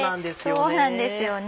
そうなんですよね。